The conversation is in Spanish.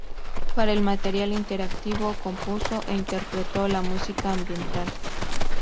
Para el material interactivo, compuso e interpretó la música ambiental.